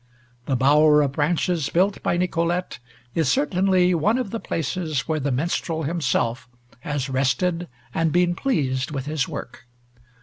The bower of branches built by Nicolete is certainly one of the places where the minstrel himself has rested and been pleased with his work.